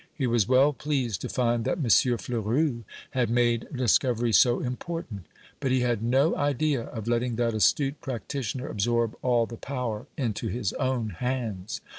He was well pleased to find that M. Fleurus had made discoveries so important; but he had no idea of letting that astute practitioner absorb all the power into his own hands.